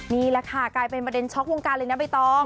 นี่แหละค่ะกลายเป็นประเด็นช็อกวงการเลยนะใบตอง